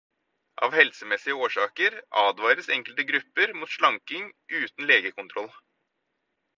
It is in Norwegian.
Av helsemessige årsaker advares enkelte grupper mot slanking uten legekontroll.